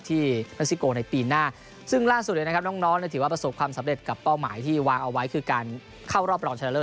เม็กซิโกในปีหน้าซึ่งล่าสุดเลยนะครับน้องถือว่าประสบความสำเร็จกับเป้าหมายที่วางเอาไว้คือการเข้ารอบรองชนะเลิ